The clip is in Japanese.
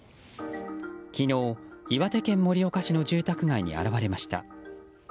昨日、岩手県盛岡市の住宅街に現れました。